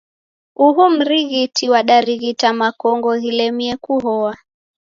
Uhu mrighiti wadarighita makongo ghilemie kuhoa.